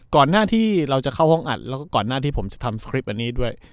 ก่อนหน้าที่เราจะเข้าห้องอัดแล้วก็ก่อนหน้าที่ผมจะทำสคริปต์อันนี้ด้วย